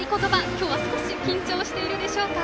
今日は少し緊張しているでしょうか。